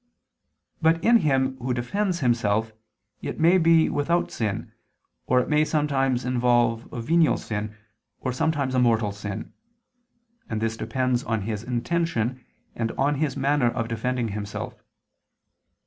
But in him who defends himself, it may be without sin, or it may sometimes involve a venial sin, or sometimes a mortal sin; and this depends on his intention and on his manner of defending himself.